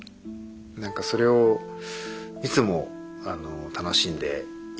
なんかそれをいつも楽しんでいます。